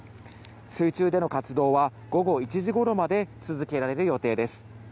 水中での活動は午後１時ごろまで続けられる予定です。